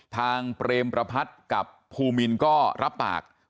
เปรมประพัทธ์กับภูมินก็รับปาก